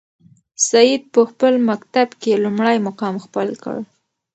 سعید په خپل مکتب کې لومړی مقام خپل کړ.